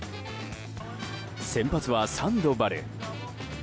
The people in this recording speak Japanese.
先発はサンドバル。